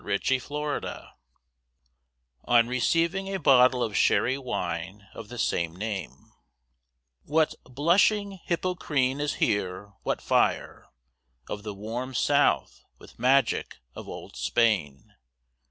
DON QUIXOTE On receiving a bottle of Sherry Wine of the same name What "blushing Hippocrene" is here! what fire Of the "warm South" with magic of old Spain!